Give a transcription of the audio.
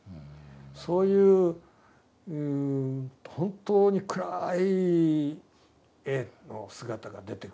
そういう本当に暗いＡの姿が出てくるんですよ。